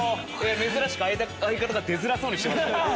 珍しく相方が出づらそうにしてました。